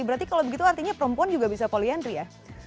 berarti kalau begitu artinya perempuan juga bisa poliantri ya